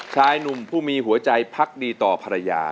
ชายหนุ่มผู้มีหัวใจพักดีต่อภรรยา